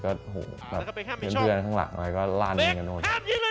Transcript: ก็เยือนข้างหลังแล้วก็ลานยิงกันโน้น